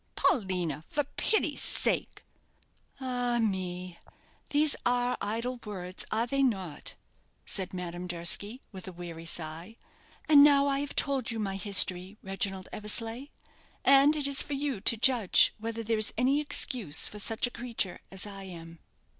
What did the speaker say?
"Paulina, for pity's sake " "Ah, me! these are idle words, are they not?" said Madame Durski, with a weary sigh. "And now I have told you my history, Reginald Eversleigh, and it is for you to judge whether there is any excuse for such a creature as I am."